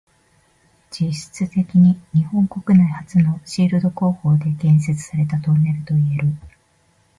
実質的に日本国内初のシールド工法で建設されたトンネルといえる。